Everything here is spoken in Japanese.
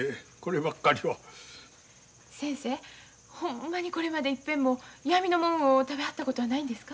先生ほんまにこれまで一遍もやみのもんを食べはったことはないんですか？